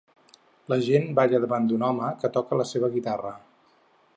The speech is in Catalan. La gent balla davant d'un home que toca la seva guitarra.